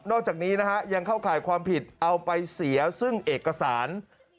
อกจากนี้นะฮะยังเข้าข่ายความผิดเอาไปเสียซึ่งเอกสาร